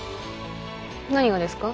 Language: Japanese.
何がですか？